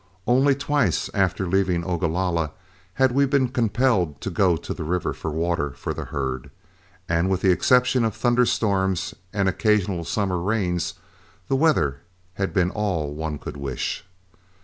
Only twice after leaving Ogalalla had we been compelled to go to the river for water for the herd, and with the exception of thunderstorms and occasional summer rains, the weather had been all one could wish.